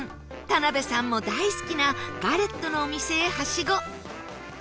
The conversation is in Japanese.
田辺さんも大好きなガレットのお店へハシゴ